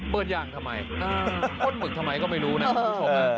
อย่างทำไมป้นหมึกทำไมก็ไม่รู้นะคุณผู้ชม